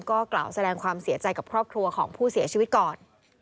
ก็กล่าวแสดงความเสียใจกับครอบครัวของผู้เสียชีวิตก่อน